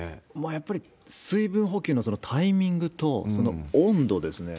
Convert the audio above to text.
やっぱり水分補給のタイミングと、その温度ですね。